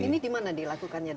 ini dimana dilakukannya dan kenapa